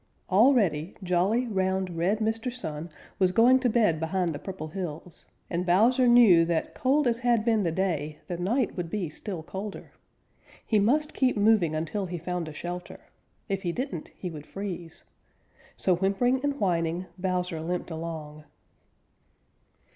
Already jolly, round, red Mr. Sun was going to bed behind the Purple Hills, and Bowser knew that cold as had been the day, the night would be still colder. He must keep moving until he found a shelter. If he didn't he would freeze. So whimpering and whining, Bowser limped along.